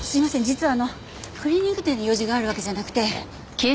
実はあのクリーニング店に用事があるわけじゃなくて。